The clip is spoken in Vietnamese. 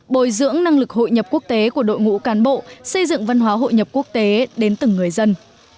bồi dưỡng năng lực hội nhập quốc tế của đội ngũ cán bộ xây dựng văn hóa hội nhập quốc tế đến từng người dân